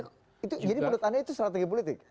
tapi itu jadi menurut anda itu strategi politik